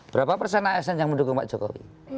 berapa persen asn yang mendukung pak jokowi